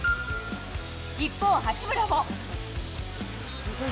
一方、八村も。